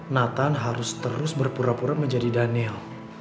nathan harus terus berpura pura menjadi daniel